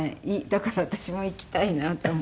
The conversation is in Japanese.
だから私も行きたいなと。